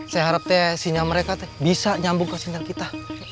saya harap sinyal mereka bisa nyambung ke sinyal kita